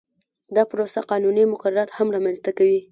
دا پروسه قانوني مقررات هم رامنځته کوي